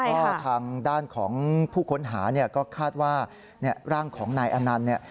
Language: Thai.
ก็ทางด้านของผู้ค้นหาเนี่ยก็คาดว่าร่างของนายอนันต์เนี่ย